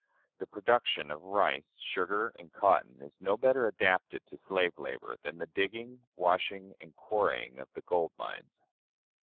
The production of rice, sugar, and cotton, is no better adapted to slave labor than the digging, washing, and quarrying of the gold mines.